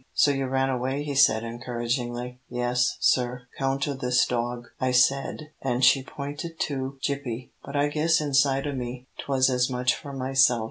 "So you ran away," he said, encouragingly. "Yes, sir, 'count o' this dog, I said," and she pointed to Gippie, "but I guess inside o' me, 'twas as much for myself.